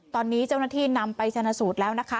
ตอนนี้เจ้าหน้าที่นำไปชนะสูตรแล้วนะคะ